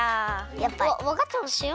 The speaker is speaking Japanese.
やっぱり！わわかってましたよ。